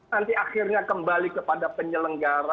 nanti akhirnya kembali kepada penyelenggara